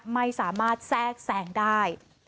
ไม่สามารถแทรกแสงได้